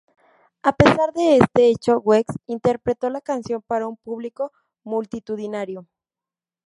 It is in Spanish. A pesar de este hecho, Weeks interpretó la canción para un público multitudinario.